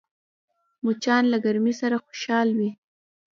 مچان له ګرمۍ سره خوشحال وي